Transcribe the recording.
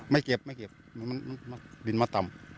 ไม่เก็บไม่เก็บมันบินมาต่ำ